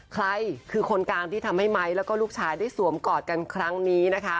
ใครคือคนกลางที่ทำให้ไม้แล้วก็ลูกชายได้สวมกอดกันครั้งนี้นะคะ